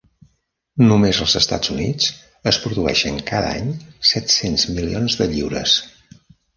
Només als Estats Units es produeixen cada any set-cent milions de lliures.